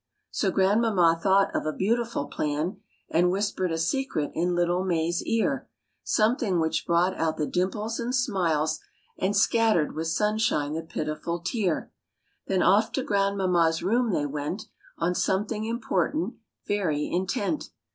So grandmamma thought of a beautiful plan, And whispered a secret in little May's ear Something which brought out the dimples and smiles, And scattered with sunshine the pitiful tear. Then off to grandmamma's room they went, On something important very intent.